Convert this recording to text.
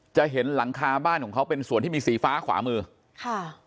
จะเห็นหลังคาบ้านของเขาเป็นส่วนที่มีสีฟ้าขวามือค่ะ